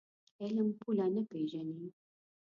علم پوله نه پېژني.